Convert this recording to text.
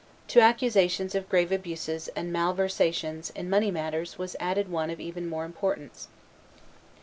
To accusations of grave abuses and malversations in money matters was added one of even more importance.